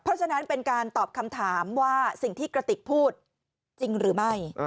เพราะฉะนั้นเป็นการตอบคำถามว่าสิ่งที่กระติกพูดจริงหรือไม่